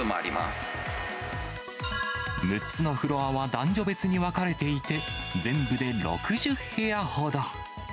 ６つのフロアは男女別に分かれていて、全部で６０部屋ほど。